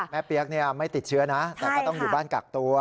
เปี๊ยกไม่ติดเชื้อนะแต่ก็ต้องอยู่บ้านกักตัว